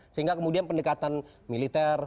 sehingga kemudian pendekatan militer